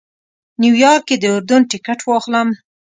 نیویارک کې د اردن ټکټ واخلم.